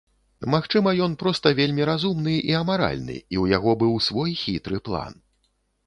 Магчыма, ён проста вельмі разумны і амаральны, і ў яго быў свой хітры план.